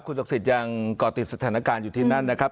ศักดิ์สิทธิ์ยังก่อติดสถานการณ์อยู่ที่นั่นนะครับ